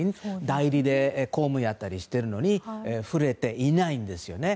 代理で公務やったりしてるのに触れていないんです。